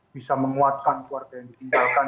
bisa menguatkan keluarga yang ditinggalkan